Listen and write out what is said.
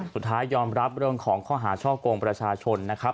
สุดท้ายยอมรับเรื่องของข้อหาช่อกงประชาชนนะครับ